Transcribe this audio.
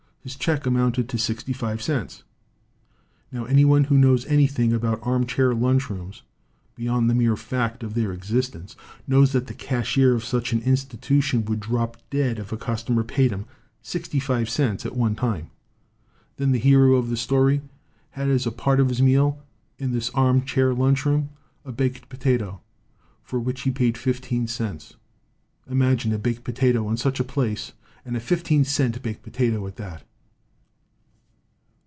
His check amounted to sixty five cents! Now any one who knows anything about arm chair lunch rooms beyond the mere fact of their existence knows that the cashier of such an institution would drop dead if a cus tomer paid him sixty five cents at one time. Then, the hero of this story had as a part of his meal in this arm chair lunch room a baked potato, for which he paid fifteen cents ! Imagine a baked potato in such a place, and a fifteen cent baked potato at that!"